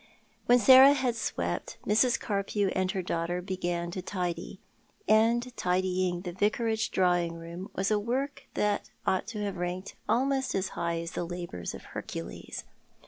When Sarah had swept, Mrs. Carpew and her daughter began to tidy ; and tidying the Vicarage drawing room was a work that ought to have ranked almost as high as the labours of Hercules.